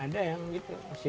ada yang gitu